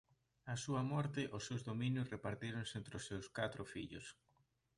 Á súa morte os seus dominios repartíronse entre os seus catro fillos.